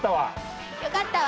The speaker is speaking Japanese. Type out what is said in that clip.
よかったわ。